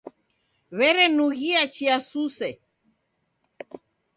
W'erenughia chia suse.